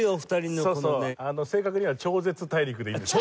正確には「超絶大陸」でいいんです。